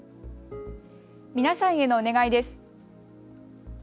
皆さんへのお願いです。